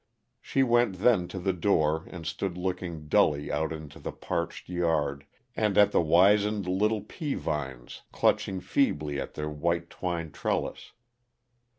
She went then to the door and stood looking dully out into the parched yard, and at the wizened little pea vines clutching feebly at their white twine trellis.